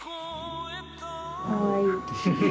かわいい。